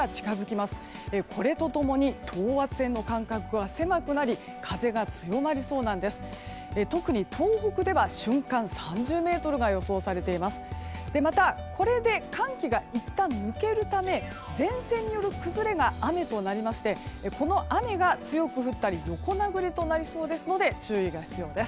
また、これで寒気がいったん抜けるため前線による崩れが雨となりましてこの雨が強く降ったり横殴りとなりそうですので注意が必要です。